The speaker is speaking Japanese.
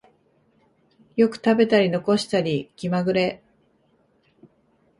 よく食べたり残したり気まぐれ